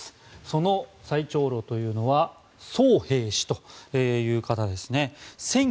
その最長老というのはソウ・ヘイ氏という方ですね。